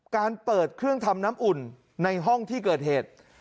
การเปิดเครื่องทำน้ำอุ่นในห้องที่เกิดเหตุ